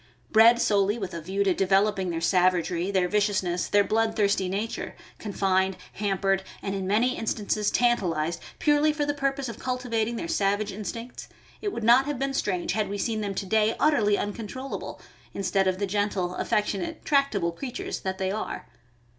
Bred solely with a view to developing their savagery, their viciousness, their blood thirsty nature, con fined, hampered, and in many instances tantalized, purely for the purpose of cultivating their savage instincts, it would not have been strange had we seen them to day utterly uncontrollable, instead of the gentle, affectionate, tractable creatures that they are.